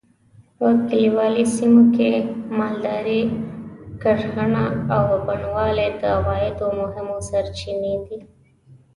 په کلیوالي سیمو کې مالداري؛ کرهڼه او بڼوالي د عوایدو مهمې سرچینې دي.